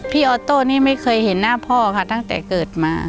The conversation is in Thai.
ออโต้นี่ไม่เคยเห็นหน้าพ่อค่ะตั้งแต่เกิดมา